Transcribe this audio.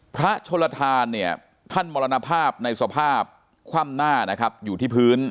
พระชนธารท่านบรรณภาพในสภาพคว่ำหน้าอยู่ที่พื้น